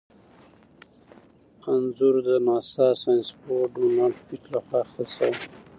انځور د ناسا ساینسپوه ډونلډ پېټټ لخوا اخیستل شوی.